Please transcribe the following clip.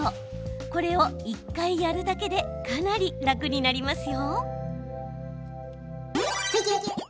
これを１回やるだけでかなり楽になりますよ。